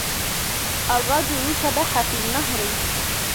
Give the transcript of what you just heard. الرَّجُلُ سَبَحَ فِي النَّهْرِ.